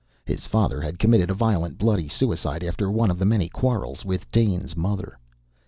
His father had committed a violent, bloody suicide after one of the many quarrels with Dane's mother.